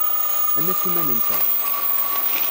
Ad naf iman-nteɣ.